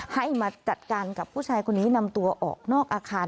ให้มาจัดการกับผู้ชายคนนี้นำตัวออกนอกอาคาร